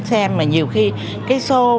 xem mà nhiều khi cái show